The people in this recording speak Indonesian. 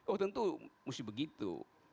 oh tentu mesti begitu